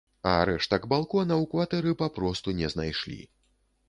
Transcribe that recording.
А рэштак балона ў кватэры папросту не знайшлі.